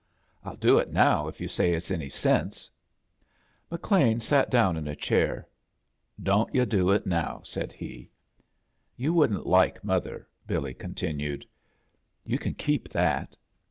I'll do it now if you say it's any sense." Hr. McLean sat down in a chair. "Don't yo' do it now," said he. "You wouldn't like mother," Billy con tinued. "You can keep that."